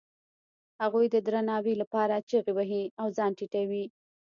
هغوی د درناوي لپاره چیغې وهي او ځان ټیټوي.